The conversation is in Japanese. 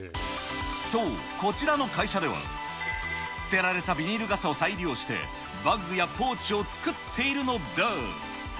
そう、こちらの会社では、捨てられたビニール傘を再利用して、バッグやポーチを作っているのだ。